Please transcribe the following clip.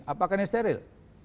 apakah ini steril